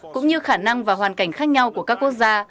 cũng như khả năng và hoàn cảnh khác nhau của các quốc gia